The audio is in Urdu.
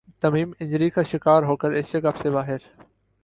تمیم انجری کا شکار ہو کر ایشیا کپ سے باہر